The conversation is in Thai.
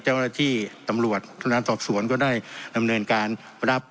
เจ้าหน้าที่ตำรวจพนักงานสอบสวนก็ได้ดำเนินการรับ